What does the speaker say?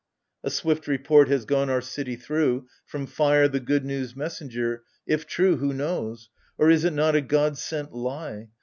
A swift report has gone our city through, From fire, the good news messenger : if tme. Who knows ? Or is it not a god sent lie?